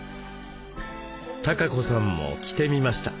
孝子さんも着てみました。